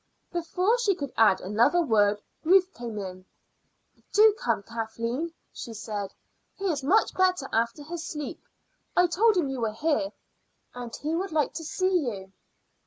Before she could add another word Ruth came in. "Do come, Kathleen," she said. "He is much better after his sleep. I told him you were here, and he would like to see you."